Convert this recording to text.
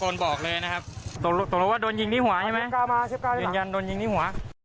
ยืนยันโดนยิงที่หัว